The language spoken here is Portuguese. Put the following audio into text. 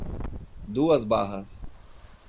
Duas Barras